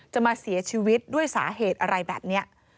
จะมาเสียชีวิตด้วยสาเหตุอะไรแบบนี้